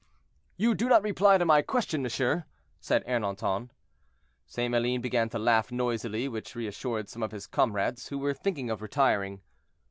"You do not reply to my question, monsieur," said Ernanton. St. Maline began to laugh noisily, which reassured some of his comrades, who were thinking of retiring.